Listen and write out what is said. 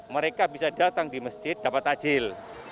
mereka bisa datang di masjid dapat tajil